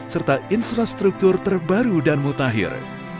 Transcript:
serta infrastruktur terbaru dan mutakhir